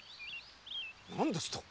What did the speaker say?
何ですと？